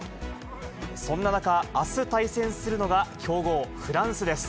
そんな中、あす対戦するのが強豪、フランスです。